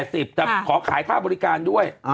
แต่ขอขายค่าบริการด้วย